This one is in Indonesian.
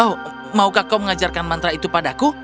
oh maukah kau mengajarkan mantra itu padaku